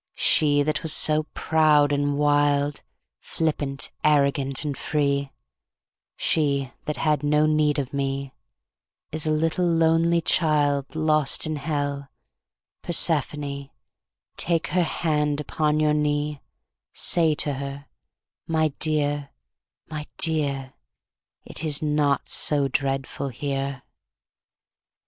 She that was so proud and wild, Flippant, arrogant and free, She that had no need of me, Is a little lonely child Lost in Hell, Persephone, Take her head upon your knee; Say to her, "My dear, my dear, It is not so dreadful here."